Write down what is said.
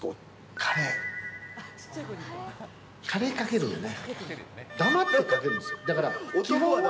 カレーかけるよね。